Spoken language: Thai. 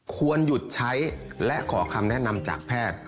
ควรหยุดใช้และขอคำแนะนำจากแพทย์